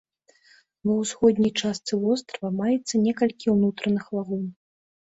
Ва ўсходняй частцы вострава маецца некалькі ўнутраных лагун.